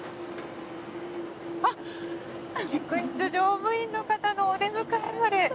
あっ客室乗務員の方のお出迎えまで。